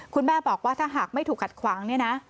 คุณแม่บอกว่าถ้าหากไม่ถูกขัดขวางเนี่ยนะ